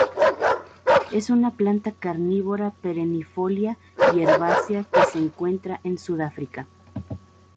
Es una planta carnívora perennifolia y herbácea que se encuentra en Sudáfrica.